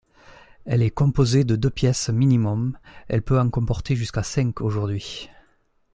Elle est composée de deux pièces minimum, elle peut en comporter jusqu'à cinq aujourd'hui.